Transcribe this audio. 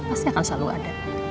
pasti akan selalu ada